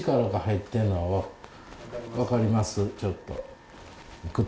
ちょっと。